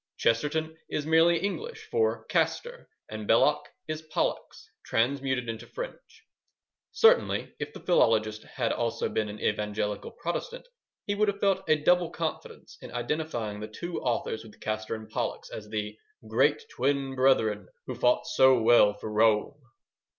Chesterton is merely English for Castor, and Belloc is Pollux transmuted into French. Certainly, if the philologist had also been an evangelical Protestant, he would have felt a double confidence in identifying the two authors with Castor and Pollux as the Great Twin Brethren, Who fought so well for Rome.